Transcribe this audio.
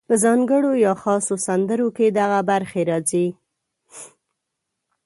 په ځانګړو یا خاصو سندرو کې دغه برخې راځي: